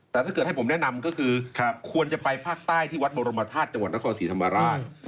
แต่ถ้าเกิดให้ผมแนะนำก็คือควรจะไปภาคใต้ที่วัดบรมธาตุจังหวัดนครศรีธรรมราช